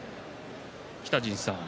北陣さん